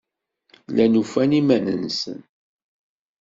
Llan ufan iman-nsen.